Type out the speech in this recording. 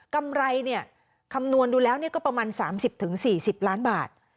กำไรคำนวณดูแล้วก็ประมาณ๓๐๔๐ล้านบาท